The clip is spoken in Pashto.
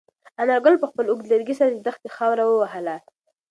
انارګل په خپل اوږد لرګي سره د دښتې خاوره ووهله.